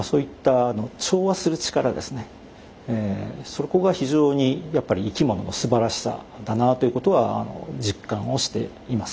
そこが非常にやっぱり生き物のすばらしさだなということは実感をしています。